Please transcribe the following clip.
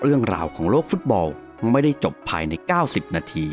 สวัสดีครับ